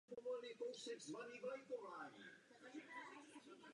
Tělo u obou pohlaví je podlouhlé a velmi štíhlé.